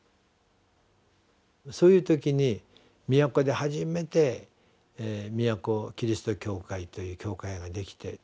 そういう時に宮古で初めて宮古キリスト教会という教会が出来て。